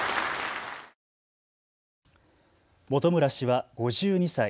本村氏は５２歳。